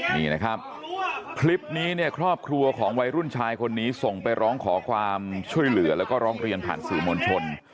นี่นะครับคลิปนี้เนี่ยครอบครัวของวัยรุ่นชายคนนี้ส่งไปร้องขอความช่วยเหลือแล้วก็ร้องเรียนผ่านสื่อมวลชน